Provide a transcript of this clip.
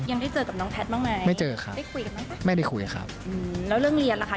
ยังได้เจอกับน้องแพทย์บ้างไหมได้คุยกับน้องแพทย์ไม่ได้คุยครับแล้วเรื่องเรียนล่ะค่ะ